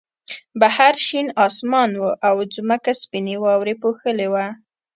بهر شین آسمان و او ځمکه سپینې واورې پوښلې وه